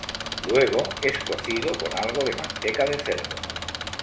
Luego es cocido con algo de manteca de cerdo.